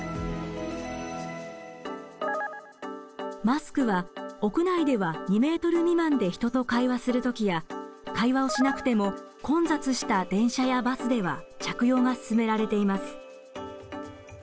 マスクは屋内では２ｍ未満で人と会話する時や会話をしなくても混雑した電車やバスでは着用が勧められています。